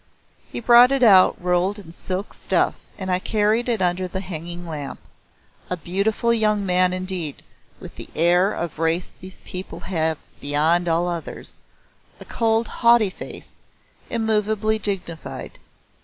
He brought it out rolled in silk stuff and I carried it under the hanging lamp. A beautiful young man indeed, with the air of race these people have beyond all others; a cold haughty face, immovably dignified.